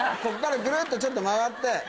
こっからグルっとちょっと回って。